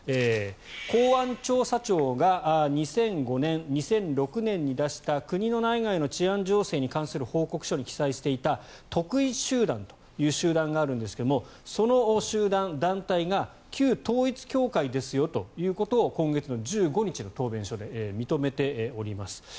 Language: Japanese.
公安調査庁が２００５年、２００６年に出した国の内外の治安情勢に関する報告書に記載していた特異集団という集団があるんですがその集団、団体が旧統一教会ですよということを今月の１５日の答弁書で認めております。